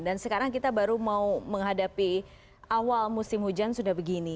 dan sekarang kita baru mau menghadapi awal musim hujan sudah begini